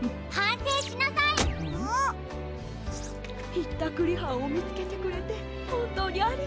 ひったくりはんをみつけてくれてほんとうにありがとう。